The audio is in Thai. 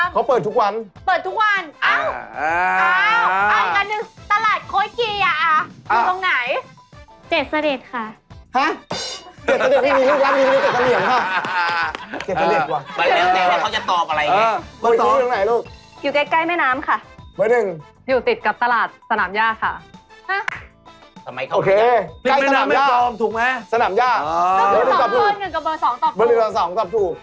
เมืออย่างประสาหรับตรอบ๑กับเมือสองตอบถูก